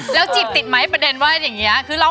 แล้วจีบติดไหมประเด็นว่าอย่างนี้